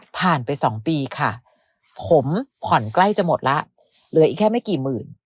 ไปสองปีค่ะผมผ่อนใกล้จะหมดแล้วเหลืออีกแค่ไม่กี่หมื่น